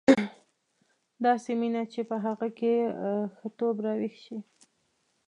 داسې مینه چې په هغه کې ښځتوب راویښ شي.